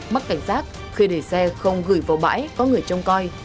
bắt cảnh sát khi để xe không gửi vào bãi có người trông coi